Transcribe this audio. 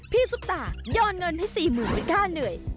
พี่ซุปตายอดเงินให้สี่หมู่ไปฆ่าเหนื่อย